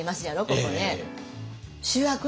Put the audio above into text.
ここね。